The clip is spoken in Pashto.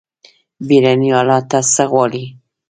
بیړني حالات څه غواړي؟